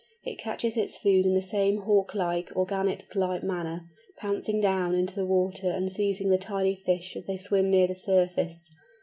It catches its food in the same Hawk like or Gannet like manner, pouncing down into the water and seizing the tiny fish as they swim near the surface.